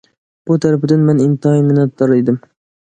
بۇ تەرىپىدىن مەن ئىنتايىن مىننەتدار ئىدىم.